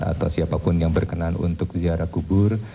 atau siapapun yang berkenan untuk ziarah kubur